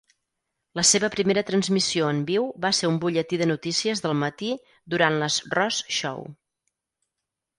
La seva primera transmissió en viu va ser un butlletí de notícies del matí durant "Les Ross show".